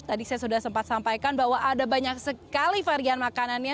tadi saya sudah sempat sampaikan bahwa ada banyak sekali varian makanannya